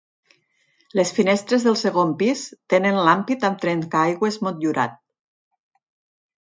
Les finestres del segon pis tenen l'ampit amb trencaaigües motllurat.